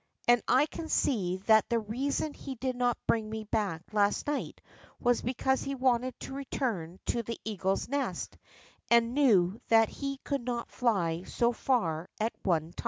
And I can see that the reason he did not bring me back last night was because he wanted to return to the eagle's nest, and knew that he could not fly so far at one time.